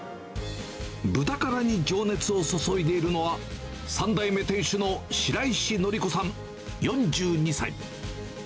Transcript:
ブタカラに情熱を注いでいるのは、３代目店主の白石徳子さん４２歳。